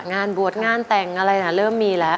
งานบวชงานแต่งเริ่มมีแล้ว